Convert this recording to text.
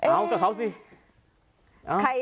เอากับเขาสิ